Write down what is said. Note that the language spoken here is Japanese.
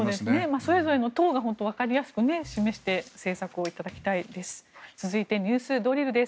それぞれの党が政策をわかりやすく示していただきたいです。